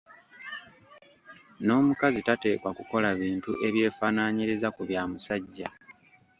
N’omukazi tateekwa kukola bintu eby'efaananyiriza ku bya musajja.